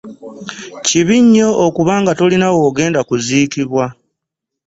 Kibi nnyo okuba nga tolina w'ogenda kuziikibwa.